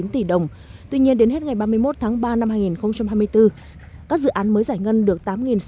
tám mươi hai hai trăm bốn mươi ba chín trăm linh chín tỷ đồng tuy nhiên đến hết ngày ba mươi một tháng ba năm hai nghìn hai mươi bốn các dự án mới giải ngân được